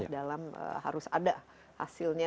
dalam harus ada hasilnya